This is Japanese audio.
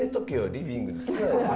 リビングですなよ！